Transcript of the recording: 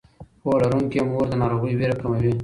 پوهه لرونکې مور د ناروغۍ ویره کموي.